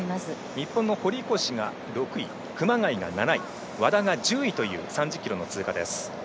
日本の堀越が６位熊谷が７位、和田が１０位という３０ｋｍの通過です。